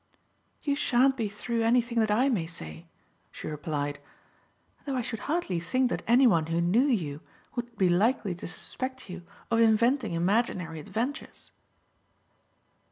"You shan't be through anything that I may say," she replied, "though I should hardly think that anyone who knew you would be likely to suspect you of inventing imaginary adventures."